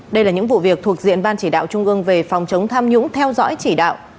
đây là những vụ việc thuộc diện ban chỉ đạo trung ương về phòng chống tham nhũng theo dõi chỉ đạo